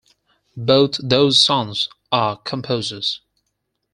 Both those sons are composers.